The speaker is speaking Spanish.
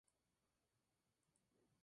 Los daneses fueron sometidos.